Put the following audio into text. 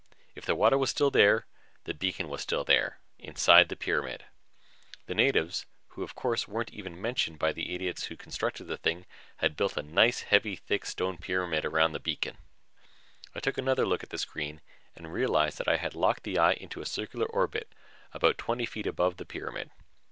If the water was still there, the beacon was still there inside the pyramid. The natives, who, of course, weren't even mentioned by the idiots who constructed the thing, had built a nice heavy, thick stone pyramid around the beacon. I took another look at the screen and realized that I had locked the eye into a circular orbit about twenty feet above the pyramid.